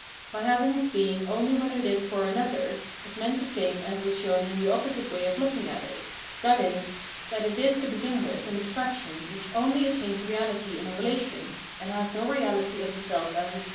By having its being only when it is for another, is meant the same as was shown in the opposite way of looking at it, viz : that it is to begin with an abstraction which only attains reahty in a relation, and has no reality of itself as it stands.